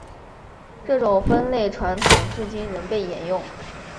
这种分类传统至今仍被沿用。